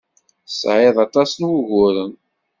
Tesɛiḍ aṭas n wuguren.